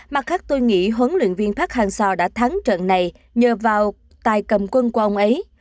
mặt khác tôi nghĩ huấn luyện viên park hang seo đã thắng trận này nhờ vào tài cầm quân của ông ấy